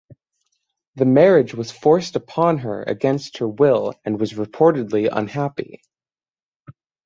The marriage was forced upon her against her will and was reportedly unhappy.